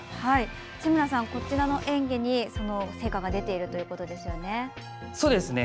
志村さん、こちらの演技に成果が出ているということですね。